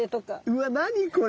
うわっ何⁉これ。